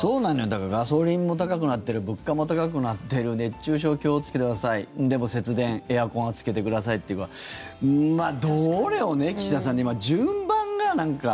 だから、ガソリンも高くなってる物価も高くなってる熱中症、気をつけてくださいでも節電エアコンはつけてくださいとかどれを、岸田さん順番がなんか。